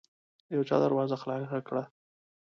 يو چا دروازه خلاصه کړه.